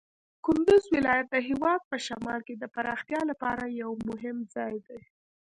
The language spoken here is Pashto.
کندز ولایت د هېواد په شمال کې د پراختیا لپاره یو مهم ځای دی.